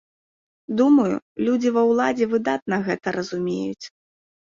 Думаю, людзі ва ўладзе выдатна гэта разумеюць.